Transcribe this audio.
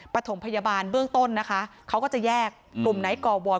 ปฐมพยาบาลเบื้องต้นนะคะเขาก็จะแยกกลุ่มไนท์ก่อวอน